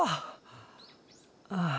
ああ！